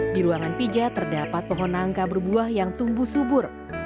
di ruangan pijat terdapat pohon nangka berbuah yang tumbuh subur